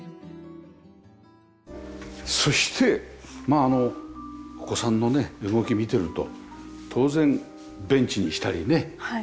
そしてお子さんのね動き見てると当然ベンチにしたりね